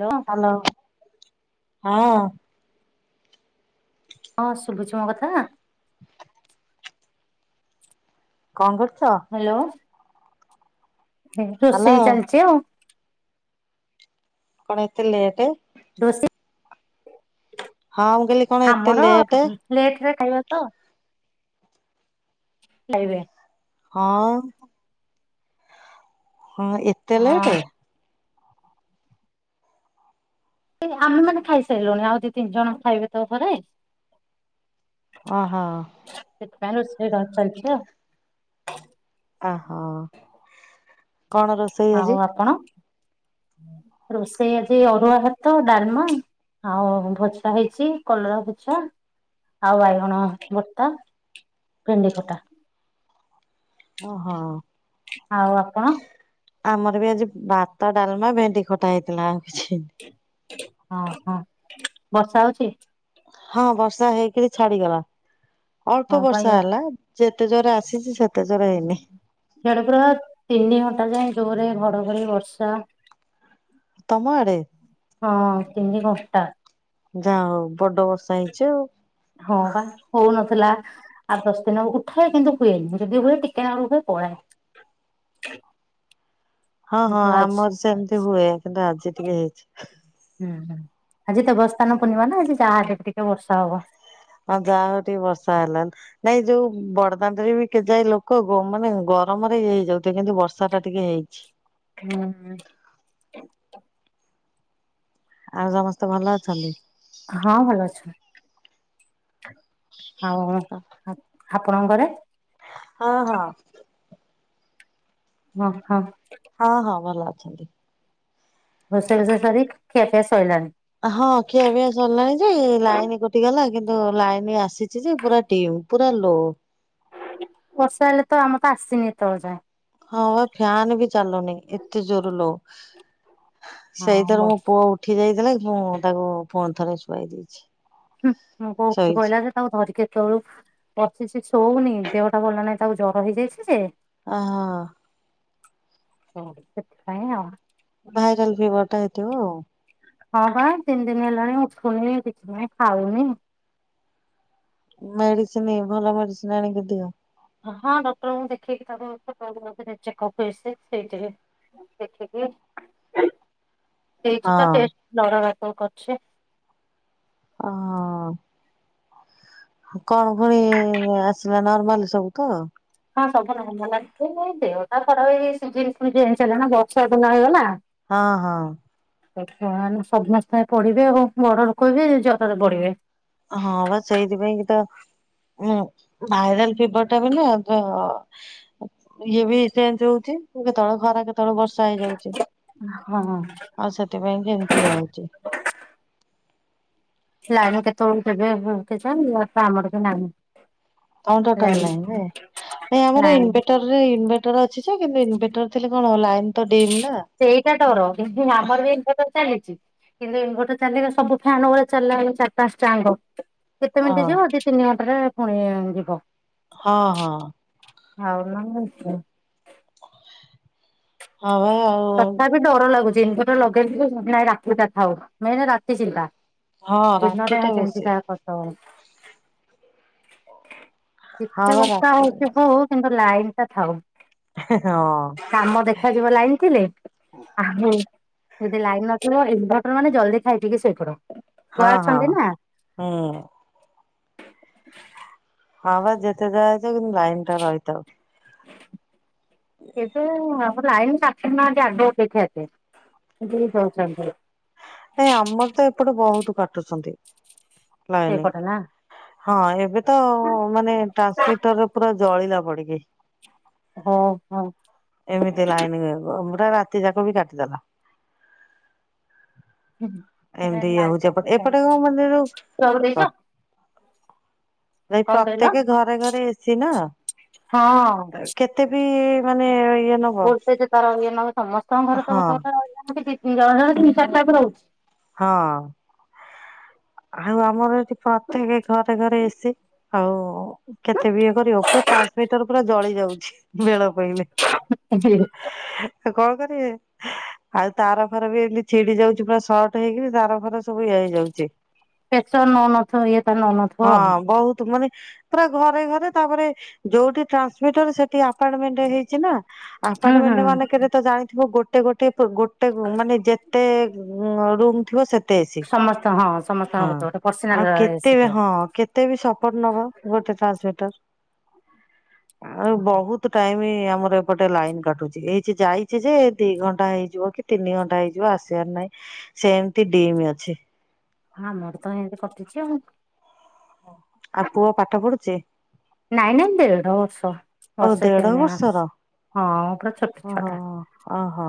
Hello. Hello, ହଁ। ହଁ ଶୁଭୁଛିୁ ମୋ କଥା? କଣ କରୁଛ? ହ୍ୟାଲୋ। ଏଇ ହ୍ୟାଲୋ ରୋଷେଇ ଚାଲିଛି ଆଉ। କଣ ଏତେ ଲେଟ୍? ରୋଷେଇ ହଁ ମୁଁ କହିଲି କଣ ଏତେ ଆମର ଲେଟ୍? ଲେଟ ରେ ଖାଇବା ତ। ଖାଇବେ। ହଁ। ହଁ ଏତେ ଲେଟ? ହଁ ଏଇ ଆମେ ମାନେ ଖାଇସାରିଲୁଣି, ଆଉ ଦି ତିନି ଜଣ ଖାଇବେ ତ ଘରେ। ଓହୋ। ସେଥିପାଇଁ ରୋଷ ରାଜ ଚାଲିଛି ଆଉ। ଓହୋ। କଣ ରୋଷେଇ ଆଉ ଆଜି ଆପଣ, ରୋଷେଇ ଆଜି ଅରୁଆ ଭାତ ଡାଲମା। ଆଉ ଭଜା ହେଇଛି କଲରା ଭଜା, ଆଉ ବାଇଗଣ ଭର୍ତ୍ତା। ଭେଣ୍ଡିି ଖଟା। ଓହୋ। ଆଉ ଆପଣ ଆମର ବି ଆଜି ଭାତ, ଡାଲମା, ଭେଣ୍ଡି ଖଟା ହେଇଥିଲା, ଆଉ କିଛି ହଁ ହଁ ବର୍ଷା ହଉଛି? ହଁ ବର୍ଷା ହେଇକରି ଛାଡିଗଲା। ଅଳ୍ପ ହଁ ବର୍ଷା ପାଇବା ହେଲା, ଯେତେ ଜୋର ଆସିଛି ସେତେ ଜୋର ହେଇନି। ଇଆଡେ ପୁରା ତିନି ଘଣ୍ଟା ଯାଏ ଜୋରେ ଘଡଘଡି ବର୍ଷା। ତମ ଆଡେ? ହଁ ତିନି ଘଣ୍ଟା। ଯାହା ହଉ ବଡ ବର୍ଷା ହେଇଛି ଆଉ। ହଁ ବା ହଉନଥିଲା। ଆଠ ଦଶ ଦିନ ହବ, ଉଠାଏ କିନ୍ତୁ ହୁଏନି, ଯଦି ହୁଏ ଟିକେ ନାଗୁରୁ ହୁଏ ପଳାଏ। ହଁ ହଁ କିନ୍ତୁ ଆଜି ଆମର ସେମିତି ହୁଏ କିନ୍ତୁ ଆଜି ଟିକେ ହେଇଛି। ହୁଁ ହୁଁ ଆଜି ଦେବଶ୍ନାନ ପୂର୍ଣିମା ନା ଆଜି ଯାହାଲେ ବି ଟିକେ ବର୍ଷା ହବ। ହଁ ଯାହା ହ ଟିକେ ବର୍ଷା ହେଲା। ନାଇଁ ଯୋଉ ବଡଦାଣ୍ଡ ରେ ବି କେଯାଏ ଲୋକ ମାନେ ଗରମରେ ଇଏ ହେଇଯାଉ ଥିବେ, କିନ୍ତୁ ବର୍ଷା ଟା ଟିକେ ହେଇଛି। ହୁଁ। ଆଉ ସମସ୍ତେ ଭଲ ଅଛନ୍ତି? ହଁ ଭଲ ଅଚୁ। ଆଉ ଆପଣଙ୍କ ଘରେ? ହଁ ହଁ। ହଁ ହଁ। ହଁ ହଁ ଭଲ ଅଛନ୍ତି। ରୋଷେଇ ବାସ ସରି ଖିଆ ପିଆ ସରିଲାଣିି। ହଁ ଖିଆ ପିଆ ସରିଲାଣି ଯେ, ଲାଇନ କୋଟି ଗଲା, କିନ୍ତୁ ଲାଇନ ଆସିଛି ଯେ ପୁରା ଡିମ। ପୁରା ଲୋ। ବର୍ଷା ହେଲେ ତ ଆମର ତ ଆସିନି ଏତବେଳେ ଯାଏଁ। ହଁ ବା ଫ୍ୟନ୍ ବି ଚାଲୁନି ଏତେ ଜୋର ଲୋ। ହଁ ବ ସେଇଥିର ମୋ ପୁଅ ଉଠି ଯାଇଥିଲା ମୁଁ ତାକୁ ପୁଣିଥରେ ଶୁଆଇ ଦେଇଛି। ହୁଁ ମୁଁ ପୁଅ ଓଠି ଶୋଇଛି। ପଇଲା ଯେ ତାକୁ ଧରିକି ଏତେବେଳୁ ବସିଛି ଶଉନି ଦେହଟା ଭଲ ନାଇଁ ତାକୁ ଜର ହେଇଯାଇଛି ଯେ ଅ ହ। ହ ସେଥିପାଇଁ ଆଉ। ଭାଇରଲ ଫିଭର ଟା ହେଇଥିବ ଆଉ। ହଁ ବା ତିନି ଦିନ ହେଲାଣି ଉଠୁନି କିଛି ନାଇଁ ଖାଉନି। ମେଡିସିନ ଭଲ ମେଡିସିନ ଆଣିକି ଦିଅ। ହଁ ଡକ୍ଟରଙ୍କୁ ଦେଖେଇକି [unintelligible] ହେଇ ସେଇଥି ଦେଖିକି ହେଇଛି ତ ହଁ। ଟେଷ୍ଟ ନଟା ରାତିକୁ କରୁଛି। ହଁ କଣ ପୁଣି ଆସିଲା ନର୍ମାଲ ସବୁ ତ। ହଁ ସବୁ ନର୍ମାଲ ଆସିଛି। ଖାଲି ଦେହାଟା ହେଇଯାଇଛି ସିଜିନା ପୁଣି ଚେଞ୍ଜ ହେଲା ନା ବର୍ଷା ଦିନ ହେଇଗଲା। ହଁ ହଁ। ବର୍ତ୍ତମାନ ସମସ୍ତେ ପଡିବେ ଆଉ ବଡଲୋକ ବି ଜରରେ ପଡିବେ। ହଁ ବା ସେଇଥିପାଇଁ କି ତ ଉଁ ଭାଇରାଲ ଫିବର ଟା ବୋଲି ହଁ ତ। ଇଏ ବି ଚେଞ୍ଜ ହଉଛି କେତେବେଳେ ଖରା କେତେବେଳେ ବର୍ଷା ହେଇଯାଉଛି। ହଁ। ଆଉ ସେଥିପାଇଁ କି ଏମିତି [inaudible] ସେ ଆଇବ କେତେବେଳକୁ କେଜାଣି ଆମର ବି ନା ତମର ଟୋଟାଲ ନାଇଁ ନାଇଁ ଆମର ନାଇଁ ଇନଭେଟର ଇନଭେଟର ଅଛି କିନ୍ତୁ ଇନଭେଟର ଥିଲେ କଣ ଲାଇନ୍ ତ ଡିମ୍ ନା। ସେଇଟା ଡର କିନ୍ତୁ ଆମର ବି ଏବେ ଚାଲିଛି କିନ୍ତୁ ଇନ୍ଭଟର ଚାଲିଲେ ସବୁ ଫ୍ୟାନ୍ ଗୁଡ଼ା ଚାଲିଲାଣି ଚାରି ପାଞ୍ଚଟା ଯାକ। କେତେ ହଁ ମିନିଟ୍ ଯିବ ଆଜି ତିନି ଘଣ୍ଟାରେ ପୁଣି ଯିବ। ହଁ ହଁ। [unintelligible] ହଉ ଆଉ ତଥାପି ଡର ଲାଗୁଛି ଇନଭଟର ଲଗେଇ ନାଇଁ ରାତି ଟା ଥାଉ ରାତି ଚିନ୍ତା। ହଁ ଦିନ ରାତି ବେଳା ଟା ଯେମିତି ବେଶୀ ଯାହା କରିଦେବ। ହଁ କେତେ ବା ବର୍ଷ ରାତିଟା ବେଶୀ ହଉଥିବୁ କିନ୍ତୁ ଲାଇନ ଟା ଥାଉ। ହଁ। କାମ ଦେଖାଯିବ ଲାଇନ୍ ଥିଲେ। ଉଁ ହଁ ଯଦି ଲାଇନ୍ ନଥିବ ଇନଭଟର ମାନେ ଜଲଦି ଖାଇ ପିଇକି ଶୋଇପଡ। ହଁ ଛୁଆ ହଁ ଅଛନ୍ତି ନା ହୁଁ। ହଁ ବା ଯେତେ ଯାହା ହେଇଛ କିନ୍ତୁ ଲାଇନ ଟା ରହିଥାଉ। ଏବେ ଆମ ଲାଇନ କାଟ ଶୁଣୁନାହାନ୍ତି ଆଗ ଅପେକ୍ଷା ଏତେ ଯେତିକି କହୁଛନ୍ତି। ନାଇଁ ଆମର ତ ଏପଟେ ବହୁତ କାଟୁଛନ୍ତି ଲାଇନି। ସେଇପଟ ନା ହଁ ଏବେ ତ ମାନେ ଟ୍ରାନ୍ସମିଟରରେ ପୁରା ଜଳିଲା ପଡିକି। ହଉ ହଉ। ଏମିତି ଲାଇନ ପୁରା ରାତି ଯାକ ବି କାଟିଦେଲା। ହୁଁ ଏମିତି ଇଏ ହଉଛି ଏପଟ ଏପଟେ କଣ ମାନେ ଦେଇଛ ଯୋଉ ଭାଇ କଣ କହିଲ? ପ୍ରତ୍ୟେକ ଘରେ ଘରେ ଏସି ନା ହଁ କେ ଏତେ ବି ମାନେ ଇ ବୋଲଟେଜ ତାର ଇଏ ନବ ସମସ୍ତଙ୍କ ଘର ତ ହଁ ଗୋଟେ ଗୋଟେ ଜଣ ତିିନି ଚାରିଟା ରହୁଛି। ହଁ। ଆଉ ଆମର ଏଠି ପ୍ରତ୍ୟେକ ଘରେ ଘରେ ଏ ସି ଆଉ। କେତେ ବି ଇଏ କରିବ ପୁରା ଟ୍ରାନ୍ସମିଟର ପୁରା ଜଳି ଯାଉଛି ବେଳ ପଇଲେ। [unintelligible] କଣ କରିବେ। ଆଉ ତାର ଫାର ବି ଏମତି ଛିଡି ଯାଉଛି ପୁରା ସର୍ଟ ହେଇକିରି ତାର ଫାର ସବୁ ଇଏ ହେଇଯାଉଛି। ପେସର ନଉନଥିବ ଇଏ ତ ନ ନ ହଁ ବହୁତ ମାନେ ପୁରା ଘରେ ଘରେ ତାପରେ ଯୋଉଠି ଟ୍ରାନ୍ସମିଟର ସେଠି ଆପାଟମେଣ୍ଟ ହେଇଚିନା ହୁଁ ହୁଁ। ଆପାଟମେଣ୍ଟ ମାନେ କେତେ ତ ଜାଣିଥିବ ଗୋ ଗୋଟେ ଗୋଟେ ଗୋଟେମାନେ ଯେତେ ରୁମ ଥିବ ସେତେ ଏ ସମସ୍ତେ ହଁ। ହଁ ସମସ୍ତଙ୍କ ଗୋଟେ ଗୋଟେ ପର୍ସନାଲ ଆଉ କେତେ ସେଠି ହବ। ହଁ କେ କେତେବି ସପୋଟ ନବ ଗୋଟେ ଟ୍ରାନ୍ସମିଟର ଆଉ ବହୁତ କେତ ଟାଇମ ଆମର ଏପଟେ ଲାଇନ କାଟୁଛି ଏଇଚି ଯାଇଛିଯେ ଦି ଘଣ୍ଟା ହେଇଯିବ କି ତିନି ଘଣ୍ଟା ହେଇଯିବ ଆସିବାର ନାହିଁ ସେମିତି ଡିମ ଅଛି। ଆମରତ ଏମତି କଟୁଛି ଆଉ ଆଉ ପୁଅ ପାଠ ପଢୁଛି ନାଇଁ ନାଇଁ ଦେଢ ବର୍ଷ ଓ ବର୍ଷେ ଦେଢ ତିନିମାସ ବର୍ଷର ହଁ ପୁରା ଛୋଟ ଓହୋ ଛୁଆଟା। ଓହୋ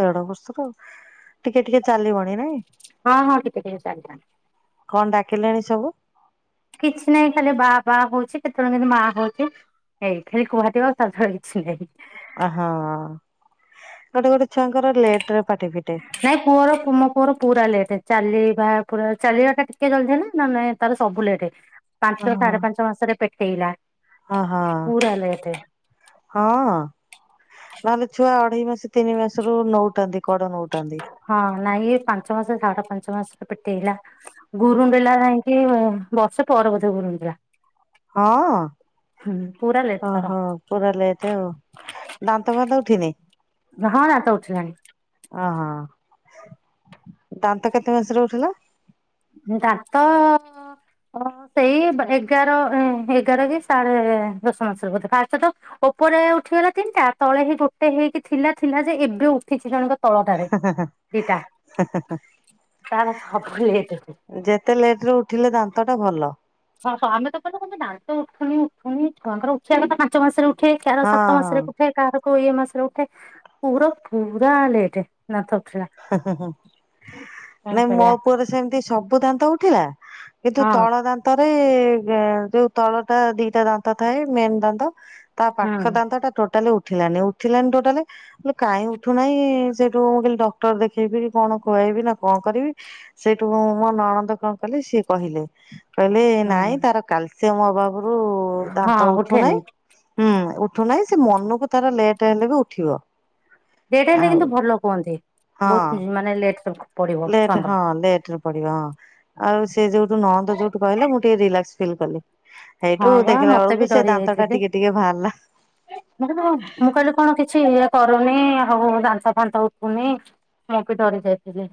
ଦେଢ ବର୍ଷର ଟିକେ ଟିକେ ଚାଲିବଣି ନାଇଁ ହଁ ହଁ ଟିକେ ଟିକେ ଚାଲିଲାଣି କଣ ଡାକିଲାଣି ସବୁ କିଛିନାହିଁ ଖାଲି ବା ବା କଉଛି କେତେବେଳେ କେମିତି ମା ହଉଛି ଏଇ ଖାଲି କୁହାଟିବ ତାଛଡା କିଛି ନୁହେଁ ଓହୋ ଗୋଟେ ଗୋଟେ ଛୁଆଙ୍କର ଲେଟରେ ପାଟି ଫିଟେ ନାଇଁ ପୁଅର ମୋ ପୁଅର ପୁରା ଲେଟ ଚାଲିବା ପୁରା ଚାଲିବା ଟା ଟିକେ ଜଲଦିହେଲା ନହନେ ନାହିଁ। ତାର ସବୁ ଲେଟ ପାଞ୍ଚ ସାଢେପାଞ୍ଚ ମାସରେ ପେଟେଇଲା ଓ ହ ପୁରା ଲେଟ୍ ହଁ ନହେଲେ ଛୁଆ ଅଢେଇ ମାସ ତିନି ମାସରୁ ନଉଟନ୍ତି କଡ ନଉଟନ୍ତି ହଁ ନାଇଁ ଏଇ ପାଞ୍ଚ ମାସ ସାଢେ ପାଞ୍ଚମାସରେ ପେଟେଇଲା। ଗୁରୁଣ୍ଡିଲା ଯାଇକି ବର୍ଷ ପରେ ବୋଧେ ଗୁରୁଣ୍ଡିଲା ହଁ ହୁଁ ପୁରା ଲେଟ୍ ତାର ଓହୋ ପୁରା ଲେଟ ଆଉ ଦାନ୍ତ ଫାନ୍ତ ଉଠିନି ହଁ ଦାନ୍ତ ଉଠିଲାଣି ଓ ହ ଦାନ୍ତ କେତେ ମାସରେ ଉଠିଲା? ଦାନ୍ତ ଓ ସେଇ ଏଗାର ଏଗାରକି ସାଢେ ଦଶ ମାସରେ ବଧେ ପାଷ୍ଟତ ଉପରେ ଉଠିଗଲା ତିନିଟା ତଳେ ହେଇ ଗୋଟେ ହେଇକି ଥିଲା ଥିଲାଯେ ଏବେ ଉଠିଛି ଜଣକ ତଳଟାରେ ଦିଟା ତାର ସବୁ ଲେଟ ଯେତେ ଲେଟରେ ଉଠିଲେ ଦାନ୍ତଟା ଭଲ ହଁ ଆମେତ କହିଲ କଣ ଦାନ୍ତ ଉଠୁନି ଉଠୁନି ଛୁଆଙ୍କର ଉଠିବା କଥା ପାଞ୍ଚ ମାସରେ ଉଠୁ ଉଠେ କାହାର ହଁ ସାତମାସରେ ହଁ। ଉଠେ କାହାର ଇଏ ମାସରେ ଉଠେ ପୁର ପୁରା ଲେଟ ଦାନ୍ତ ଉଠିଲା କଣ ନାଇ ମୋ କରିବା ପୁଅର ସେମିତି ସବୁ ଦାନ୍ତ ଉଠିଲା କିନ୍ତୁ ହଁ ତଳ ଦାନ୍ତରେ ଯୋଉ ତଳଟା ଦିଟା ଦାନ୍ତ ଥାଏ ମେନ ଦାନ୍ତ। ହୁଁ ତାପାଖ ଦାନ୍ତଟା ଟୋଟାଲ ଉଠିଲାନି ଉଠିଲାନି ଟୋଟାଲେ କାଇଁ ଉଠୁନାହିଁ ସେଠୁ ମୁଁ କହିଲି ଡ ଡକ୍ଟର ଦେଖେଇବି କଣ ଖୁଆବିନା କଣ କରିବି? ସେଇଠୁ ମୋ ନଣନ୍ଦ କଣ କଲେ ସିଏ କହିଲେ। କହିଲେ ହୁଁ ନାଇଁ ତାର କାଲସିୟମ ଅଭାବରୁ ହଁ ଦାନ୍ତ ଉଠେନି ଉଠୁନାହିଁ। ହୁଁ ଉଠୁନାହିଁ ସେ ମନକୁ ତାର ଲେଟ ହେଲେବି ଉଠିବ। ଲେଟ ହେଲେ ଆଉ କିନ୍ତୁ ଭଲ କୁହନ୍ତି। ବହୁତ ମାନେ ଲେଟ [unintelligible] ଲେଟ ହଁ ଲେଟର ପଡିବ ଆଉ ସେ ଯୋଉଠୁ ନଣନ୍ଦ ଯୋଉଠୁ କହିଲେ ମୁଁ ଟିକେ ରିଲାକ୍ସ ଫିଲକଲି। ହଁ ହେଇଠୁ ବା ଦେଖିଲା ମତେ ବି ବେଳକୁ ସେ ଡରି ଦାନ୍ତଟା ଯାଇଥିଲି। ଟିକେ ଟିକେ ବାହାରିଲା। ମୁଁ କହିଲି କଣ କିଛି ଇଏ କରୁନି ହଉ ଦାନ୍ତ ଫାନ୍ତ ଉଠୁନି। ମୂଁ ବି ଡରି ଯାଇଥିଲି।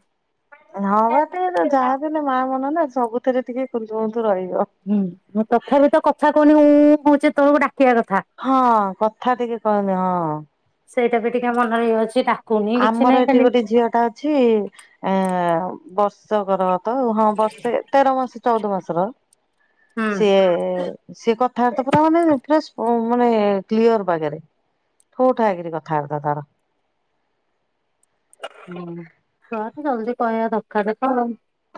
ହଁବା କେ ଯାହା ଦେଲେ ମା ମନ ନା ସବୁଥିରେ ଟିକେ କୁନ୍ତୁ କନ୍ତୁ ରହିବ। ହୁଁ ମୁଁ ତଥାପି ତ କଥା କହୁନି ଉଂ ଉଁ ହଉଛି ଏତୋବୋଲୁକୁ ଡାକିବା କଥା। ହଁ କଥା ଟିକେ କହନି ହଁ। ସେଇଟା ବି ଟିକେ ମନେରେ ଇଏ ଅଛି ଡାକୁନି କିଛି ଆମର ନାହିଁ ଏଠି ଖାଲି ହୁଁ ଗୋଟେ ଝିଅ ଟା ଅଛି ଏ ବର୍ଷକର। ତ ହଁ ବର୍ଷେ ତେର ମାସ ଚଉଦ ମାସର। ସେ-ଏ-ଏ, ସେ କଥାବାର୍ତ୍ତା କରନ୍ତିନି ପ୍ଲସ୍ ଓ ମାନେ କ୍ଲିୟର ବାଗରେ ଠୋଠା ହେଇକି କଥାବାର୍ତା ତାର। ହୁଁ, ଛୁଆ ଜଲଦି କହିବା ଦରକାର ତ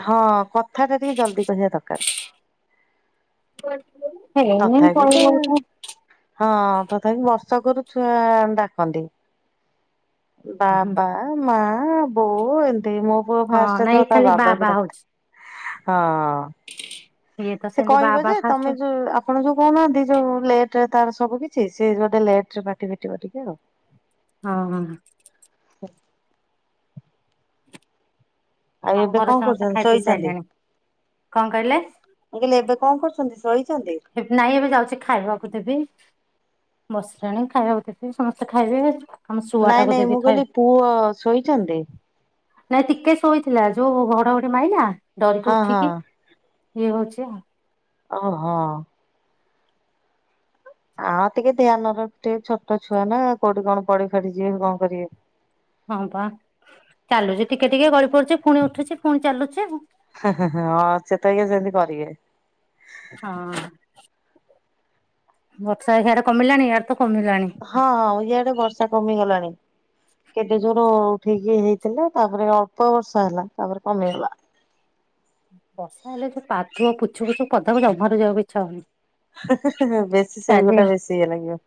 ହଁ କଥା ଟା ଟିକେ ଜଲଦି କହିବା ଦରକାର। [unintelligible] ତଥାପି କି [unintelligible] ହଁ ତଥାପି ବର୍ଷକରୁ ଛୁଆ ଡାକନ୍ତି। ହଁ ବାବା ମା ବୋଉ ଏମତି ମୋ ପୁଅ ଫାଷ୍ଟରେ ନାଇଁ ତ ତା ଖାଲି ବା ବା ବାବାକୁ ଡାକିଥିଲା। ହଉଛି ହଁ ଇଏ ତ ସେ ସେମିତି ବା କହିବ ବା ଯେ ଫାଷ୍ଟ ତମେ ଯୋଉ ଆପଣ ଯୋଉ କହୁନାହାନ୍ତି ଯୋଉ ଲେଟ ରେ ତାର ସବୁ କିଛି ସେ ଗୋଟେ ଲେଟ ରେ ପାଟି ଫିଟିବ ଟିକେ ଆଉ। ହଁ ହଁ ଆଉ ଏବେ ଘର କଣ ସମସ୍ତେ କରୁଛନ୍ତି ଖାଇ ପି ସାରିଲଣି, କଣ କହିଲେ? କହିଲେ ଏବେ କଣ କରୁଛନ୍ତି ସଇଛନ୍ତି? ନାଇଁ ଏବେ ଯାଉଛି ଖାଇବାକୁ ଦେବି ବସିଲାଣି ଖାଇବାକୁ ଦେବି ସମସ୍ତେ ଖାଇବେ। ଆମ ଶୁଆ ନାଇଁ ଟାକୁ ନାଇଁ ଦେବି ମୁଁ ଖାଇବେ କହିଲି ପୁଅ ଶୋଇଛନ୍ତି? ନାଇଁ ଟିକେ ଶୋଇଥିଲା ଯୋଉ ଘଡଘଡି ମାଇଲା ଡରିକି ହଁ ହଁ ଉଠିକି ଇଏ ହଉଛି ଆଉ। ଓ ହଁ ଆଉ ଟିକେ ଧ୍ୟାନ ର ଟିକେ ଛୋଟ ଛୁଆ ନା କୋଉଠି କଣ ପଢି ଫାଡି ଯିବେ କଣ କରିବେ। ହଁ ବା ଚାଲୁଛି ଟିକେ ଟିକେ ଗଳିପଡଛି ପୁଣି ଉଠୁଛି ପୁଣି ଚାଲୁଛି ଆଉ। ହଁ ସେ ତ ସେମତି କରିବେ। ହଁ ବର୍ଷା ସେଆଡ଼େ କମିଲାଣି ୟାର ତ କମିଲାଣି। ହଁ ଇଆଡେ ବର୍ଷା କମିଗଲାଣି। କେତେ ଜୋର ଉଠେଇକି ହେଇଥିଲା ତାପରେ ଅଳ୍ପ ବର୍ଷା ହେଲା ତାପରେ କମିଗଲା। ବର୍ଷା ହେଲେ ସୋଉୁ ପାଛୁ ପୁଛୁ ପଦା ଜମାରୁ ଯିବା ଇଛା ହନି। ବେଶୀ ସେଇ ଗୋଟା ବେଶୀ ଇଏ ଲାଗିବ।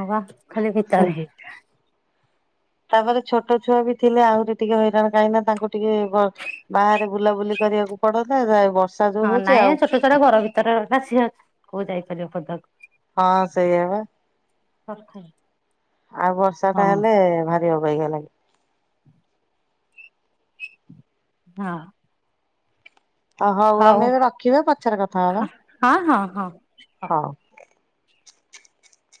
ହ ବା ଖାଲି ଭିତାରେ। ତାପରେ ଛୋଟ ଛୁଆ ବି ଥିଲେ ଆହୁରି ଟିକେ ହଇରାଣ କାହିଁକି ନା ତାଙ୍କୁ ଟିକେ ଭଲ ବାହାରେ ବୁଲାବୁଲି କରିବାକୁ ପଡନ୍ତା ଯ ବର୍ଷା ଯୋଉ ହଁ ହଉଛି ନାଇଁ ଏ ଆଉ ଛୋଟ ଛୋଆଟା ଘର ଭିତରେ ର ରାସିଆ କୋଉ ଯାଇପାରିବ ପଡାକୁ। ହଁ ସେଇଆ ବା। ପଥାଏ। ଆଉ ବର୍ଷା ଟା ହେଲେ ଭାରି ଅବାଗିଆ ଲାଗେ। ହଁ। ଅ ହୋଊ ହଉ ଆମେ ଏବେ ରଖିବା ପଛରେ କଥା ହବା ହଁ ହଁ ହଁ। ହଉ।